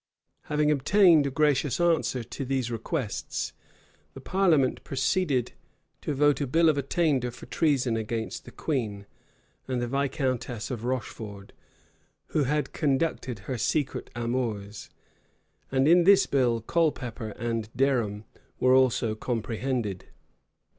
Having obtained a gracious answer to these requests, the parliament proceeded to vote a bill of attainder for treason against the queen, and the viscountess of Rocheford, who had conducted her secret amours; and in this bill Colepepper and Derham were also comprehended.